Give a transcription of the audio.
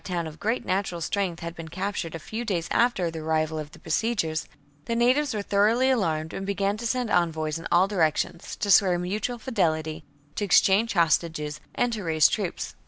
town of great natural strength had been captured a few days after the arrival of the besiegers, the natives were thoroughly alarmed and began to send envoys in all directions, to swear mutual fidelity, to exchange hostages, and to raise troops.